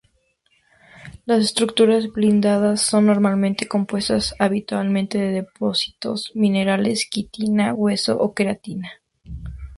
Las estructuras blindadas son normalmente compuestas habitualmente de depósitos, minerales, quitina, hueso o queratina.